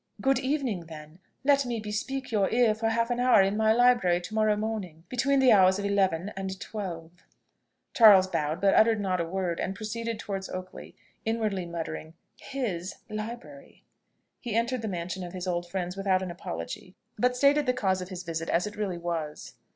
"Good evening, then. Let me bespeak your ear for half an hour in my library to morrow morning, between the hours of eleven and twelve." Charles bowed, but uttered not a word, and proceeded towards Oakley, inwardly muttering "his library!" He entered the mansion of his old friends without an apology, but stated the cause of his visit as it really was.